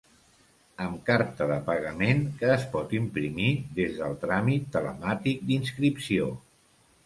Amb carta de pagament, que es pot imprimir des del tràmit telemàtic d'inscripció.